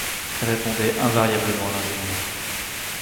répondait invariablement l’ingénieur.